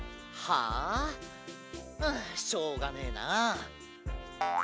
ああしょうがねえな。